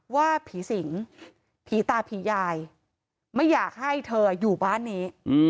ว่าผีสิงผีตาผียายไม่อยากให้เธออยู่บ้านนี้